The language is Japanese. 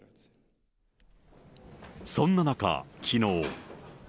そんな中、きのう。